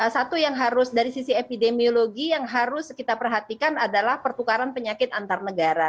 satu yang harus dari sisi epidemiologi yang harus kita perhatikan adalah pertukaran penyakit antar negara